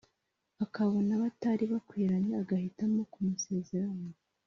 akabona batari bakwiranye agahitamo kumusezeraho.